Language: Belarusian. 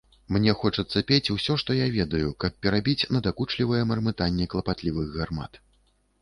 Мне хочацца пець усё, што я ведаю, каб перабіць надакучлівае мармытанне клапатлівых гармат.